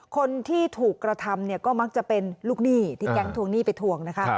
คนที่ถูกกระทำเนี่ยก็มักจะเป็นลูกหนี้ที่แก๊งทวงหนี้ไปทวงนะคะ